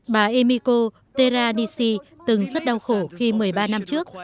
bà emiko teranishi từng rất đau khổ khi một mươi ba năm trước